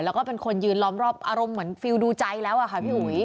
แล้วก็เป็นคนยืนรอบอารมณ์เหมือนผิวดูใจแล้วพี่หุย